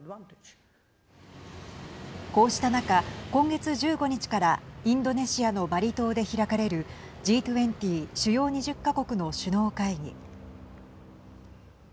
こうした中、今月１５日からインドネシアのバリ島で開かれるＧ２０＝主要２０か国の首脳会議。